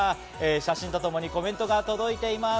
写真とともにコメントが届いています。